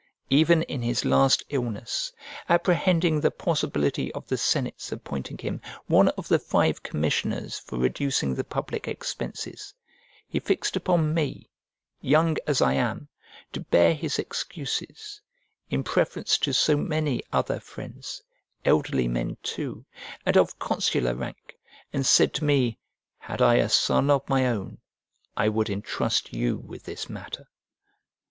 Even in his last illness, apprehending the possibility of the senate's appointing him one of the five commissioners for reducing the public expenses, he fixed upon me, young as I am, to bear his excuses, in preference to so many other friends, elderly men too, and of consular rank and said to me, "Had I a son of my own, I would entrust you with this matter."